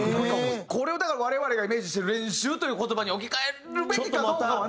これをだから我々がイメージしてる「練習」という言葉に置き換えるべきかどうかはね。